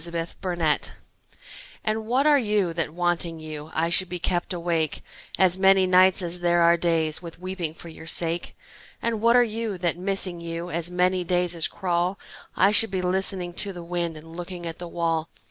The Philosopher AND what are you that, wanting you, I should be kept awake As many nights as there are days With weeping for your sake? And what are you that, missing you, As many days as crawl I should be listening to the wind And looking at the wall?